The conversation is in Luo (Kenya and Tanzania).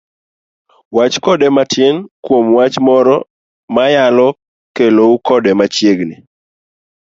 wach kode matin kuom wach moro mayalo kelou kode machiegni.